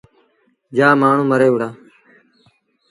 جآم مآڻهوٚݩ مري وُهڙآ۔